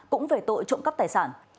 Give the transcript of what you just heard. cũng về tội trộm cắp tài sản